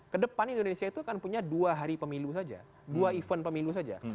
kedepan indonesia itu akan punya dua hari pemilu saja dua event pemilu saja